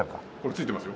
ついてます